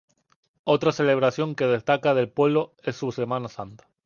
Otra celebración que destaca del pueblo es su Semana Santa.